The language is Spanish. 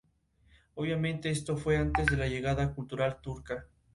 En el Canadian Genie Awards obtuvo el premio al mejor director.